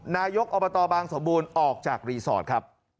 นายกอบตบางสมบูรณ์ออกจากรีสอร์ทครับ